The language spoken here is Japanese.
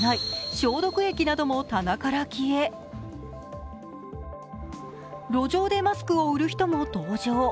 消毒液なども棚から消え路上でマスクを売る人も登場。